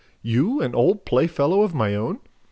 You, an old playfellow of my own!